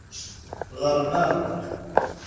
Ɣṛem-aɣ-d.